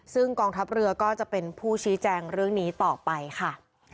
ซึ่งกองทัพเรือก็จะเป็นผู้ชี้แจงเรื่องนี้ต่อไปค่ะ